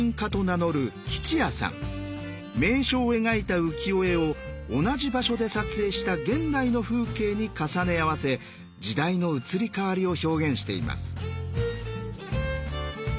名所を描いた浮世絵を同じ場所で撮影した現代の風景に重ね合わせ時代の移り変わりを表現しています。